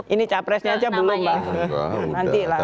ini capresnya aja belum mbak